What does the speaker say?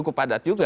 cukup padat juga